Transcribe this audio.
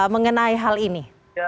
mengenai hal ini